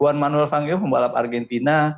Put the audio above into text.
juan manuel fangio pembalap argentina